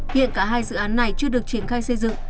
hiện cả hai dự án này chưa được triển khai xây dựng